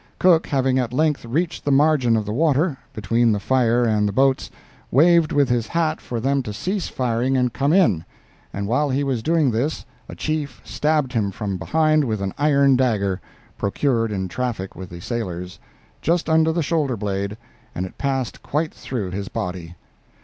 Cook having at length reached the margin of the water, between the fire and the boats, waved with his hat for them to cease firing and come in; and while he was doing this a chief stabbed him from behind with an iron dagger (procured in traffic with the sailors), just under the shoulder blade, and it passed quite through his body.